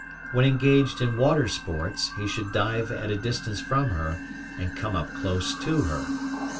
When engaged in water sports, he should dive at a distance from her, and come up close to her.